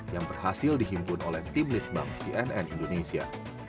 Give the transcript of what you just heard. yang berhasil dihimpun oleh tim litbang cnn indonesia